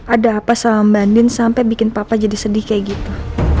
ada apa sama mbak nin sampai bikin papa jadi sedih kayak gitu